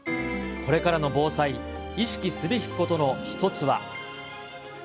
これからの防災、意識すべきことの一つは。